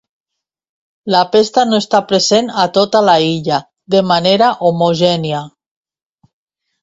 La pesta no està present a tota l'illa de manera homogènia.